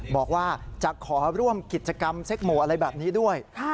บอกว่าจะขอร่วมกิจกรรมเซ็กหมู่อะไรแบบนี้ด้วย